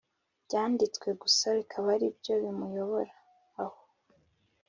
Byanditswe gusa bikaba ari byo bimuyobora aho